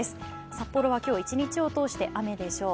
札幌は今日一日を通して雨でしょう。